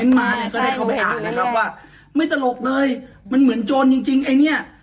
นะครับว่าไม่ตลกเลยมันเหมือนโจรยิจเงียกเนี้ย